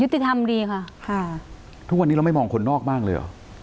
ติธรรมดีค่ะค่ะทุกวันนี้เราไม่มองคนนอกบ้างเลยเหรอ